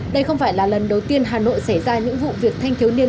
đây không phải là lần đầu tiên hà nội xảy ra những vụ việc thanh thiếu niên